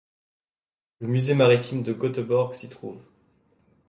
Le musée maritime de Göteborg s'y trouve.